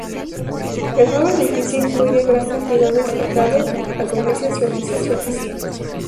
El nuevo edificio incluye gran cantidad de espacio dedicado a comercios y oficinas.